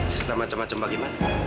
cerita macam macam bagaimana